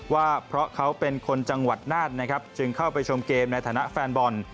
ว่าเพราะเขาเป็นคนจังหวัดน่านนะครับจึงเข้าไปชมเกมในฐานะแฟนบอล